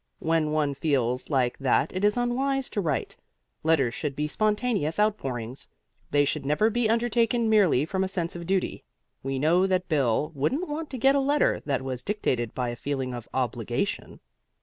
When one feels like that it is unwise to write. Letters should be spontaneous outpourings: they should never be undertaken merely from a sense of duty. We know that Bill wouldn't want to get a letter that was dictated by a feeling of obligation.